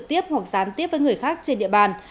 tiếp hoặc gián tiếp với người khác trên địa bàn